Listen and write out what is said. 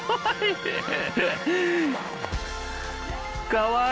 かわいい！